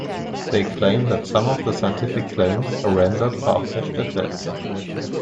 They claim that some of the scientific claims are rendered far-fetched at best.